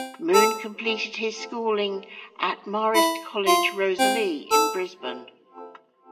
Moon completed his schooling at Marist College Rosalie in Brisbane.